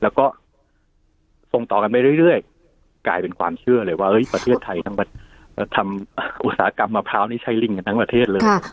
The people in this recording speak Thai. แล้วก็ส่งต่อกันไปเรื่อยกลายเป็นความเชื่อเลยว่าประเทศไทยทั้งอุตสาหกรรมมะพร้าวนี่ใช้ลิงกันทั้งประเทศเลย